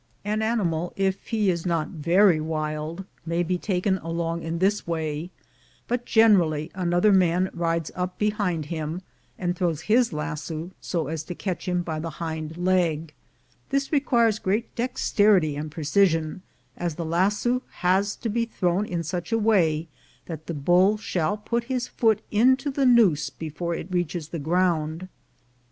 An animal, if he is not very wild, may be taken along in this way, but generally another man rides up behind him, and throws his lasso so as to catch him by the hind leg. This requires great dexterity and precision, as the lasso has to be thrown in such a way that the bull shall put his foot into the noose before it reaches the ground.